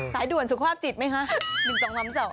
สายด่วนสูครอาศัพท์จิตไหมคะ